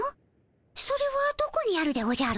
それはどこにあるでおじゃる？